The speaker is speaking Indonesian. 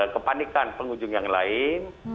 kepanikan pengunjung yang lain